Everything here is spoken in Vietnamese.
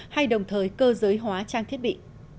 hay đồng thời cơ giới hóa trang thiết bị